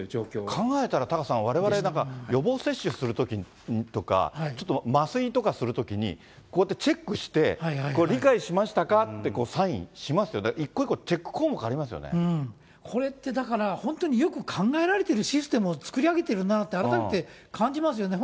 考えたらタカさん、われわれ、なんか予防接種するときとか、ちょっと麻酔とかするときに、こうやってチェックして、理解しましたかってサインしますよね、一個一個チェック項目ありこれってだから、本当によく考えられてるシステムを作り上げてるなって、改めて感じますよね。